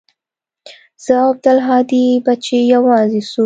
زه او عبدالهادي به چې يوازې سو.